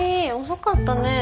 遅かったね。